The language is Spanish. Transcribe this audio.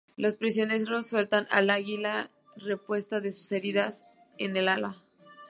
Los prisioneros sueltan al águila, repuesta de sus heridas en el ala.